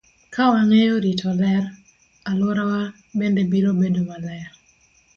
Ka wang'eyo rito ler, alworawa bende biro bedo maler.